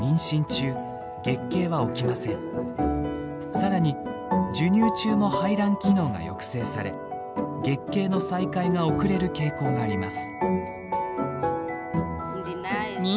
更に授乳中も排卵機能が抑制され月経の再開が遅れる傾向があります。